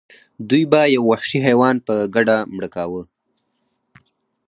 دوی به یو وحشي حیوان په ګډه مړه کاوه.